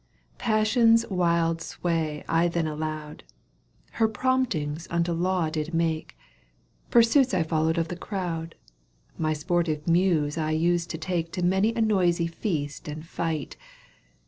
Passion's wfld sway I then allowed. Her promptings unto law did make. Pursuits I followed of the crowd, My sportive Muse I Used to take To many a noisy feast and fight.